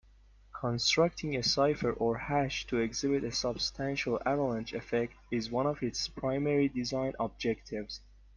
Constructing a cipher or hash to exhibit a substantial avalanche effect is one of its primary design objectives.